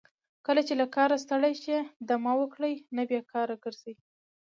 کله چې له کاره ستړي شئ دمه وکړئ نه بیکاره ګرځئ.